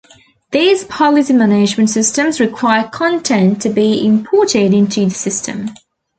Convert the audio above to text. These policy management systems require content to be imported into the system.